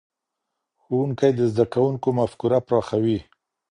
ښوونکی د زدهکوونکو مفکوره پراخوي.